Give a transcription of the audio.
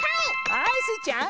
はいスイちゃん。